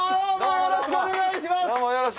よろしくお願いします！